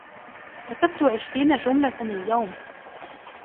كتبت عشرين جملة اليوم.